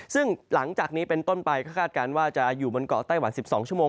ซึ่งหลังจากนี้เป็นต้นไปก็คาดการณ์ว่าจะอยู่บนเกาะไต้หวัน๑๒ชั่วโมง